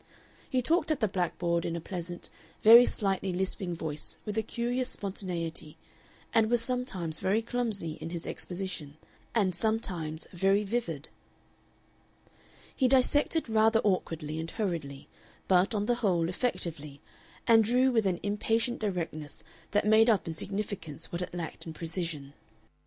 He talked at the blackboard in a pleasant, very slightly lisping voice with a curious spontaneity, and was sometimes very clumsy in his exposition, and sometimes very vivid. He dissected rather awkwardly and hurriedly, but, on the whole, effectively, and drew with an impatient directness that made up in significance what it lacked in precision.